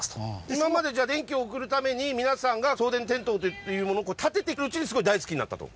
今まで電気を送るために皆さんが送電鉄塔というものを立ててるうちにすごい大好きになったと？